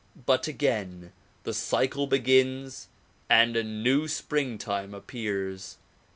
But again the cycle begins and a new springtime appears.